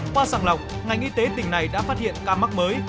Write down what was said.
qua sàng lọc ngành y tế tỉnh này đã phát hiện ca mắc mới